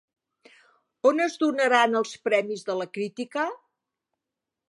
On es donaran el premis de la Crítica?